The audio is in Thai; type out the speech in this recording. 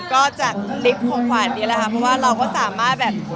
ก็จากลิฟต์ของขวัญนี่แหละค่ะเพราะว่าเราก็สามารถแบบ